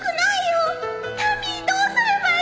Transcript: タミーどうすればいいの